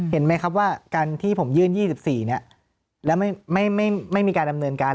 เห็นไหมครับว่าการที่ผมยื่น๒๔แล้วไม่มีการดำเนินการ